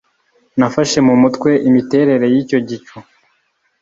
nafashe mu mutwe imiterere y'icyo gicu,